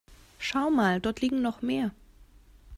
Schau mal, dort liegen noch mehr.